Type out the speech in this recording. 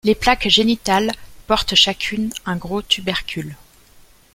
Les plaques génitales portent chacune un gros tubercule.